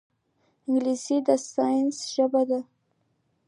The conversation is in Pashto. انګلیسي د ساینس ژبه ده